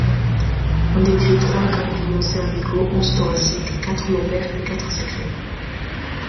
On décrit trois ganglions cervicaux, onze thoraciques, quatre lombaires et quatre sacrés.